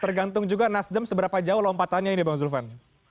tergantung juga nasdem seberapa jauh lompatannya ini bang zulfan